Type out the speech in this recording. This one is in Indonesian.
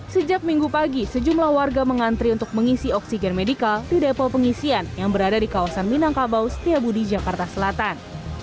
sejak minggu pagi sejumlah warga mengantri untuk mengisi oksigen medikal di depo pengisian yang berada di kawasan minangkabau setiabudi jakarta selatan